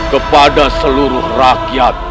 kepada seluruh rakyat